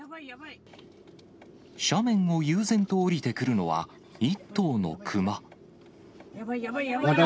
斜面を悠然と下りてくるのは、一頭の熊。